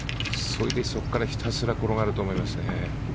それで、そこからひたすら転がると思いますね。